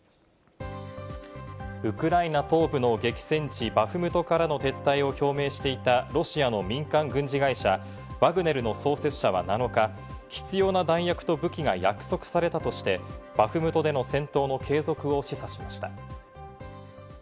ウクライナ東部の激戦地バフムトからの撤退を表明していたロシアの民間軍事会社ワグネルの創設者は７日、必要な弾薬と武器が約束されたとして、バフムトでの戦闘の継続を示唆しました。